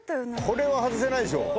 これは外せないでしょう